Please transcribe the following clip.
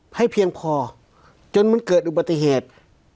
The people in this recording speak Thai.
ให้เพียงพอจนมันเกิดอุบัติเหตุ